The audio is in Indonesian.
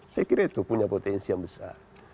saya kira itu punya potensi yang besar